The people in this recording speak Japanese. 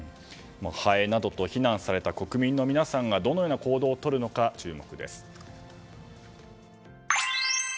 ハエなどと非難された国民の皆さんがどのような行動をとるのか注目です。